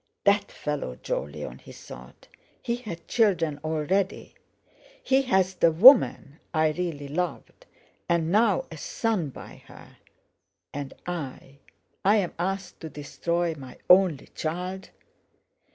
"That fellow Jolyon," he thought; "he had children already. He has the woman I really loved; and now a son by her! And I—I'm asked to destroy my only child!